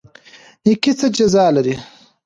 نیکي څه جزا لري؟